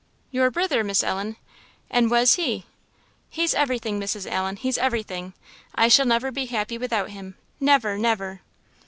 "Your brither, Miss Ellen? An' wa's he?" "He's everything, Mrs. Allen! he's everything! I shall never be happy without him! never! never!"